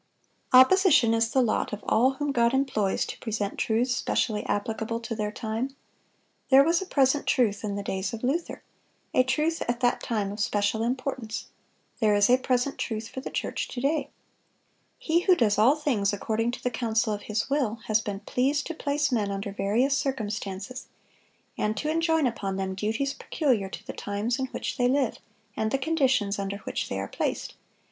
Opposition is the lot of all whom God employs to present truths specially applicable to their time. There was a present truth in the days of Luther,—a truth at that time of special importance; there is a present truth for the church to day. He who does all things according to the counsel of His will, has been pleased to place men under various circumstances, and to enjoin upon them duties peculiar to the times in which they live, and the conditions under which they are placed.